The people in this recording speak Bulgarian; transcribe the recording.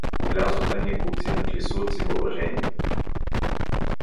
Влязоха неколцина клисурци въоръжени.